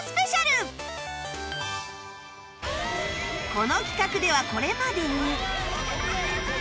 この企画ではこれまでに